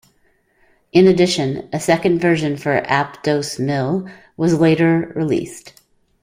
In addition, a second version for "Ape Dos Mil" was later released.